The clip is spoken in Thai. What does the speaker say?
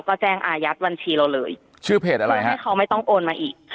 ก็แจ้งอายัดบัญชีเราเลยชื่อเพจอะไรฮะที่เขาไม่ต้องโอนมาอีก